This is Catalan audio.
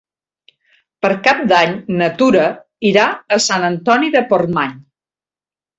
Per Cap d'Any na Tura irà a Sant Antoni de Portmany.